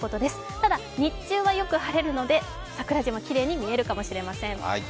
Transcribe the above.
ただ日中はよく晴れるので桜島、きれいに見えるかもしれません。